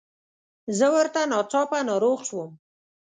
زه ورته ناڅاپه ناروغه شوم.